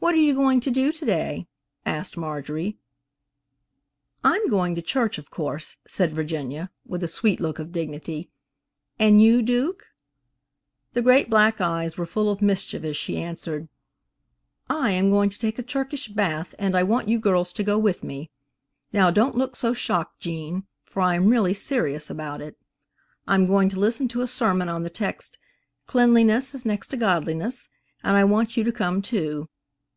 "What are you going to do to day?" asked Marjorie. "I'm going to church, of course," said Virginia, with a sweet look of dignity, "and you, Duke?" The great black eyes were full of mischief as she answered, "I am going to take a Turkish bath, and I want you girls to go with me. Now don't look so shocked Gene, for I am really serious about it. I'm going to listen to a sermon on the text, 'Cleanliness is next to Godliness,' and I want you to come too.